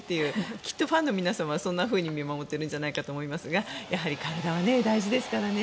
きっとファンの皆さんはそんなふうに見守っているんじゃないかと思いますがやはり体は大事ですからね。